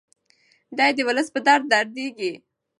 دی د ولس په درد دردیږي.